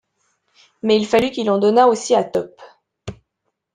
Mais il fallut qu’il en donnât aussi à Top.